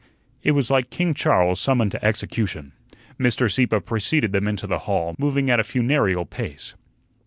It was like King Charles summoned to execution. Mr. Sieppe preceded them into the hall, moving at a funereal pace.